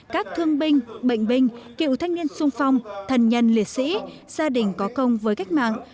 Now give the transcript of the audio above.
các thương binh bệnh binh cựu thanh niên sung phong thần nhân liệt sĩ gia đình có công với cách mạng